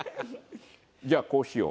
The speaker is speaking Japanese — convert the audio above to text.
じゃあこうしよう。